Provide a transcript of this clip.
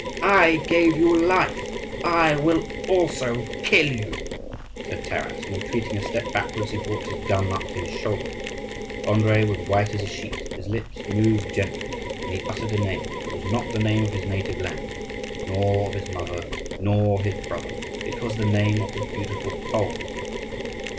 I gave you life, I will also kill you!" said Taras, and, retreating a step backwards, he brought his gun up to his shoulder. Andrii was white as a sheet; his lips moved gently, and he uttered a name; but it was not the name of his native land, nor of his mother, nor his brother; it was the name of the beautiful Pole.